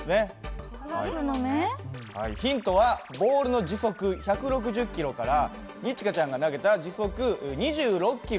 ヒントはボールの時速１６０キロから二千翔ちゃんが投げた時速２６キロを引いた残り。